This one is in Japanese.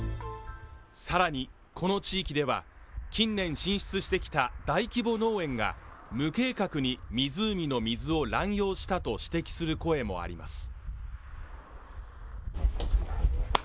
さらにこの地域では近年進出してきた大規模農園が無計画に湖の水を乱用したと指摘する声もあります